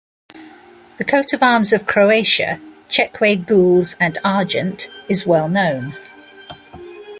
The coat of arms of Croatia "Chequy gules and argent" is well known.